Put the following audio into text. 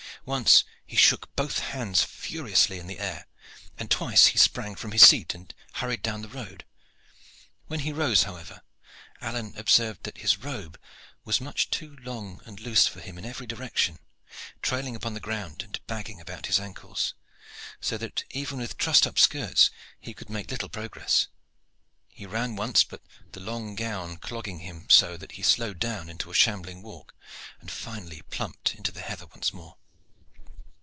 Once he shook both hands furiously in the air, and twice he sprang from his seat and hurried down the road. When he rose, however, Alleyne observed that his robe was much too long and loose for him in every direction, trailing upon the ground and bagging about his ankles, so that even with trussed up skirts he could make little progress. He ran once, but the long gown clogged him so that he slowed down into a shambling walk, and finally plumped into the heather once more.